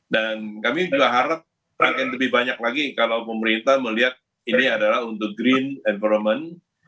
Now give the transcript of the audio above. dan kami juga harap akan lebih banyak lagi kalau pemerintah melihat ini adalah untuk green environment